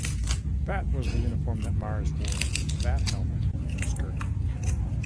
That was the uniform that Mars wore - that helmet and skirt.